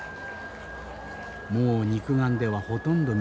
もう肉眼ではほとんど見えません。